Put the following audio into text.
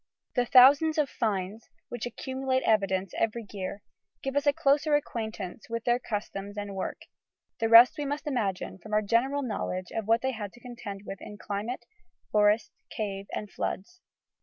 The thousands of "finds," which accumulate evidence every year, give us a closer acquaintance with their customs and work. The rest we must imagine from our general knowledge of what they had to contend with in climate, forest, cave, and floods.